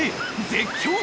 絶叫！